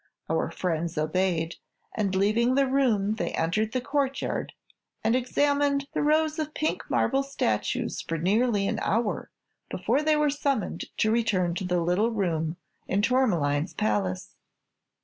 Our friends obeyed, and leaving the room they entered the courtyard and examined the rows of pink marble statues for nearly an hour before they were summoned to return to the little room in Tourmaline's palace.